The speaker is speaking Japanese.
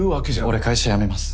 俺会社辞めます。